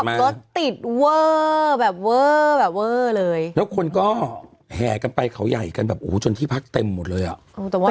แล้วคนก็แห่กันไปเขาใหญ่กันแบบโอ้โหจนที่พักเต็มหมดเลยอ่ะ